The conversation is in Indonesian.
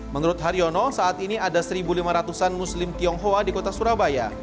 menurut haryono saat ini ada satu lima ratus an muslim tionghoa di kota surabaya